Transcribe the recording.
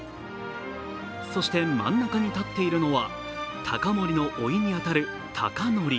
そして真ん中に立っているのは、隆盛のおいに当たる隆準。